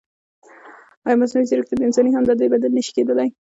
ایا مصنوعي ځیرکتیا د انساني همدردۍ بدیل نه شي کېدای؟